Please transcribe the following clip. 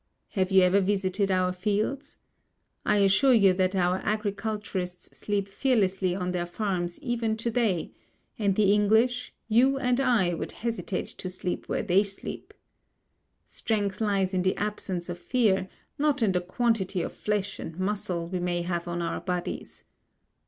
Have you ever visited our fields? I assure you that our agriculturists sleep fearlessly on their farms even to day, and the English, you and I would hesitate to sleep where they sleep. Strength lies in absence of fear, not in the quantity of flesh and muscle we may have on our bodies.